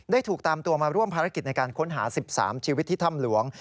ถูกตามตัวมาร่วมภารกิจในการค้นหา๑๓ชีวิตที่ถ้ำหลวง